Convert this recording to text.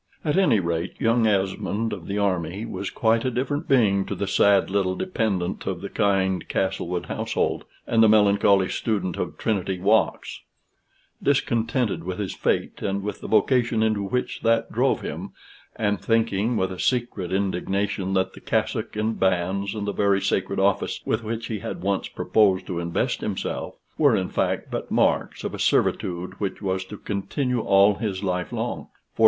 At any rate, young Esmond of the army was quite a different being to the sad little dependant of the kind Castlewood household, and the melancholy student of Trinity Walks; discontented with his fate, and with the vocation into which that drove him, and thinking, with a secret indignation, that the cassock and bands, and the very sacred office with which he had once proposed to invest himself, were, in fact, but marks of a servitude which was to continue all his life long.